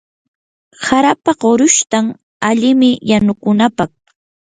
harapa qurushtan alimi yanukunapaq.